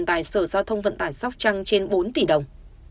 tại sở giao thông vận tải sóc trăng trên bốn tỷ đồng